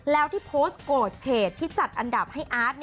แล้วที่โพสต์โกรธเพจที่จัดอันดับให้อาร์ต